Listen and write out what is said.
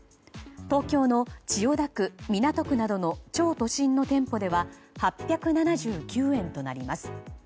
東京の千代田区、港区などの超都心の店舗では８７９円となります。